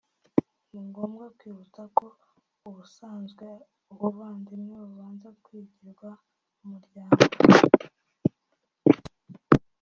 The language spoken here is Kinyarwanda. ni ngombwa kwibutsa ko ubusanzwe ubuvandimwe bubanza kwigirwa mu muryango